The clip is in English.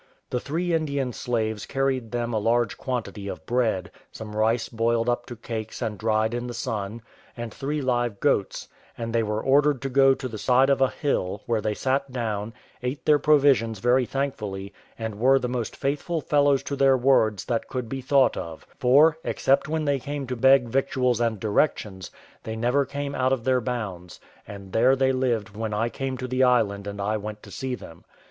The three Indian slaves carried them a large quantity of bread, some rice boiled up to cakes and dried in the sun, and three live goats; and they were ordered to go to the side of a hill, where they sat down, ate their provisions very thankfully, and were the most faithful fellows to their words that could be thought of; for, except when they came to beg victuals and directions, they never came out of their bounds; and there they lived when I came to the island and I went to see them.